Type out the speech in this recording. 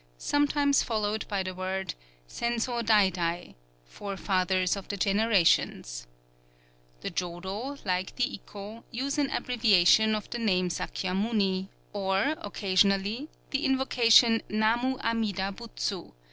sometimes followed by the words Senzo daidai ("forefathers of the generations"); the Jōdo, like the Ikkō, use an abbreviation of the name Sakyamuni, or, occasionally, the invocation _Namu Amida Butsu!